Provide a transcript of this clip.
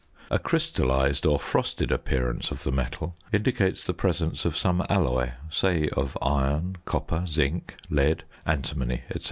A crystallised or frosted appearance of the metal indicates the presence of some alloy, say of iron, copper, zinc, lead, antimony, &c.